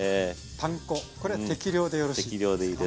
パン粉これ適量でよろしいですか？